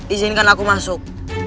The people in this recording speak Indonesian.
izinkan aku masuk